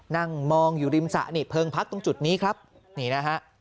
นั่งมองอยู่ริมสระนี่เพลิงพักตรงจุดนี้ครับนี่นะฮะ